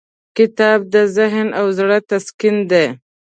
کتاب د ذهن او زړه تسکین دی.